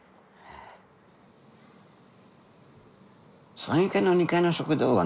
山友会の２階の食堂はね